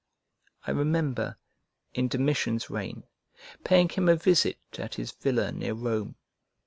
I remember, in Domitian's reign, paying him a visit at his villa, near Rome.